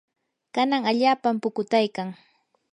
kanan allaapam pukutaykan.